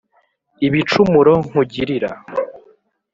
ibicumuro nkugirira